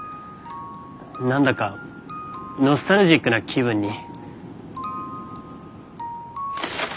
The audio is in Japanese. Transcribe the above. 何だかノスタルジックな気分に。